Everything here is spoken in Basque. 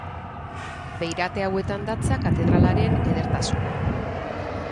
Beirate hauetan datza katedralaren edertasuna.